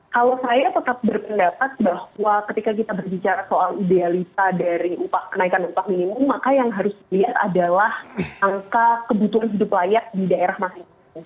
kalau saya tetap berpendapat bahwa ketika kita berbicara soal idealita dari kenaikan upah minimum maka yang harus dilihat adalah angka kebutuhan hidup layak di daerah masing masing